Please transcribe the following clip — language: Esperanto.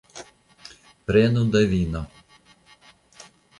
Prenu da vino.